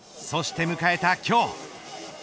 そして迎えた今日。